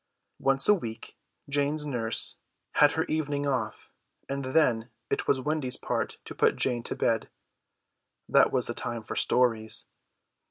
Once a week Jane's nurse had her evening off; and then it was Wendy's part to put Jane to bed. That was the time for stories.